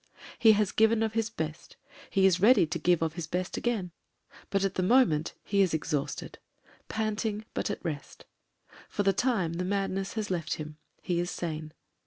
He has given of his best; he is ready to give of his best again; but at the moment he is exhausted; panting, but at rest For the time the madness has left him; he is sane.